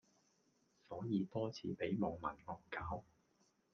所以多次俾網民惡搞